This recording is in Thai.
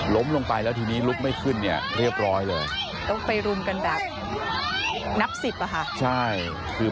ล้มลงไปแล้วทีนี้ลุกไม่ขึ้นเนี่ยเรียบร้อยเลย